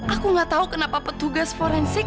aku nggak tahu kenapa petugas forensik